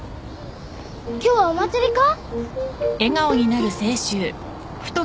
今日はお祭りか？